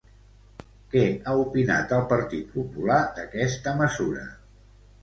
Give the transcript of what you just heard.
Què ha opinat el Partit Popular d'aquesta mesura?